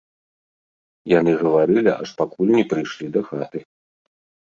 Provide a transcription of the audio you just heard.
Яны гаварылі, аж пакуль не прыйшлі да хаты.